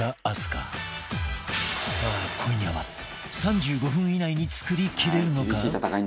さあ今夜は３５分以内に作りきれるのか？